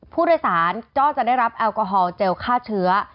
ผู้โดยสารก็จะได้รับแอลกอฮอลเจลฆ่าเชื้อ